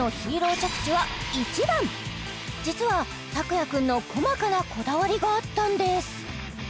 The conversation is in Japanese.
実はＴＡＫＵＹＡ君の細かなこだわりがあったんです